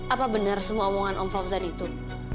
apa benar semua omongan om fauzan itu